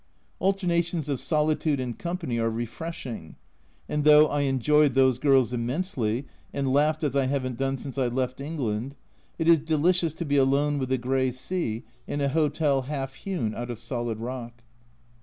Alternations of solitude and company are refreshing, and though I enjoyed those girls im mensely, and laughed as I haven't done since I left England, it is delicious to be alone with the grey sea in a hotel half hewn out of solid rock.